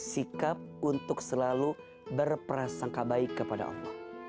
sikap untuk selalu berprasangka baik kepada allah